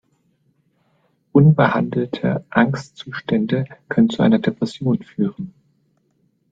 Unbehandelte Angstzustände können zu einer Depression führen.